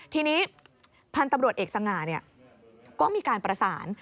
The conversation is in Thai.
ทีนี้พันธุ์ตำรวจเอกสง่าก็มีการประสาน